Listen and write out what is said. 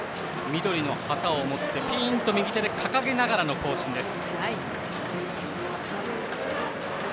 緑の旗を持ってピンと右手で掲げながらの行進です。